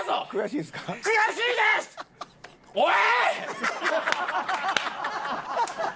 おい！